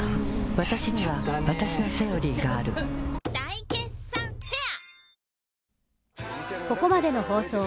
わたしにはわたしの「セオリー」がある大決算フェア